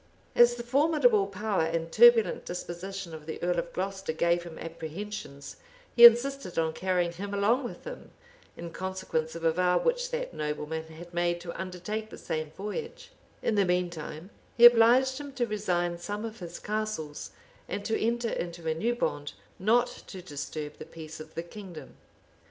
As the formidable power and turbulent disposition of the earl of Glocester gave him apprehensions, he insisted on carrying him along with him, in consequence of a vow which that nobleman had made to undertake the same voyage: in the mean time, he obliged him to resign some of his castles, and to enter into a new bond not to disturb the peace of the kingdom.[] * M.